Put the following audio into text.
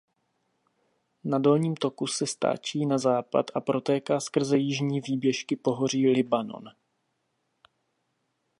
Na dolním toku se stáčí na západ a protéká skrze jižní výběžky pohoří Libanon.